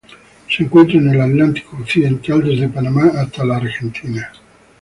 Se encuentra en el Atlántico occidental: desde Panamá hasta la Argentina.